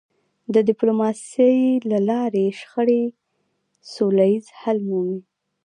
د ډيپلوماسی له لارې شخړې سوله ییز حل مومي.